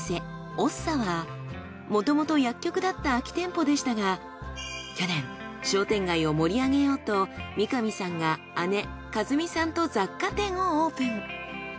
ＯＳＳＡはもともと薬局だった空き店舗でしたが去年商店街を盛り上げようと三上さんが姉和美さんと雑貨店をオープン。